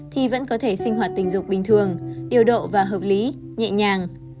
thì vẫn có thể sinh hoạt tình dục bình thường điều độ và hợp lý nhẹ nhàng